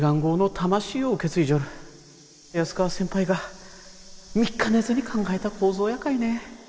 安川先輩が３日寝ずに考えた構造やかいね。